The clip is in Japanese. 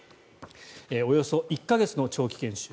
およそ１か月の長期研修。